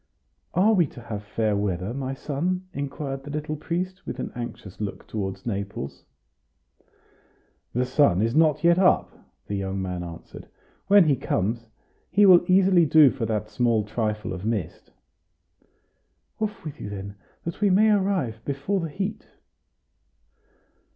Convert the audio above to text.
"Are we to have fair weather, my son?" inquired the little priest, with an anxious look toward Naples. "The sun is not yet up," the young man answered; "when he comes, he will easily do for that small trifle of mist." "Off with you, then! that we may arrive before the heat."